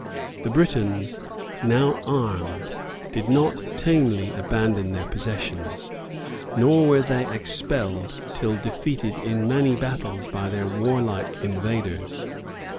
The Britons, now armed, did not tamely abandon their possessions; nor were they expelled till defeated in many battles by their war like invaders.